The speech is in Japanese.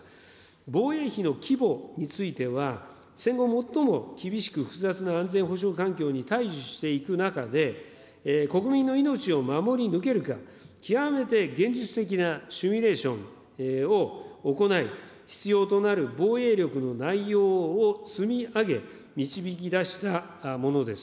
防衛費の規模については、戦後最も厳しく、複雑な安全保障環境に対じしていく中で、国民の命を守り抜けるか、極めて現実的なシミュレーションを行い、必要となる防衛力の内容を積み上げ、導き出したものです。